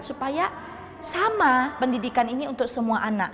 supaya sama pendidikan ini untuk semua anak